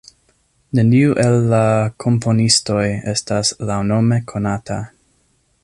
Neniu el la komponistoj estas laŭnome konata.